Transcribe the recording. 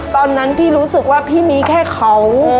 ตอนนั้นพี่รู้สึกว่าพี่มีแค่เขา